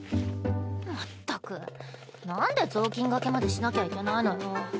まったくなんで雑巾がけまでしなきゃいけないのよ。